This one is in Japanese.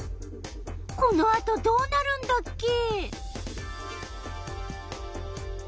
このあとどうなるんだっけ？